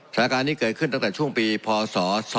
สถานการณ์นี้เกิดขึ้นตั้งแต่ช่วงปีพศ๒๕๖